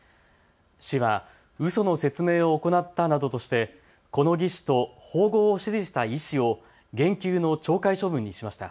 市はうその説明を行ったなどとしてこの技士と縫合を指示した医師を減給の懲戒処分にしました。